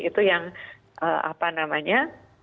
itu yang apa namanya